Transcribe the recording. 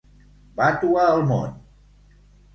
Vatua el món!